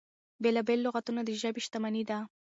بېلا بېل لغتونه د ژبې شتمني ده.